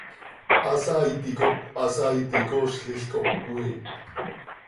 Hasaaiti cop hasaaiti coozlil cop cömiip.